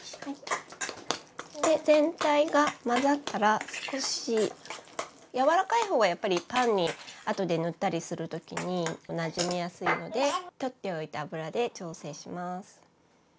全体が混ざったら少しやわらかいほうがやっぱりパンにあとで塗ったりする時になじみやすいので取っておいた油で調整します。